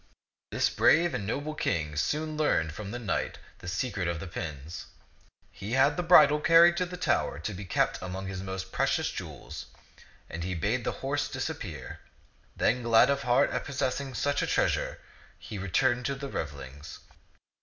This brave and noble King soon learned from the knight the secret of the pins. He had the bridle car ried to the tower to be kept among his most precious jewels; and he bade the horse disappear. Then, glad of heart at possessing such a treasure, he returned to the revelings.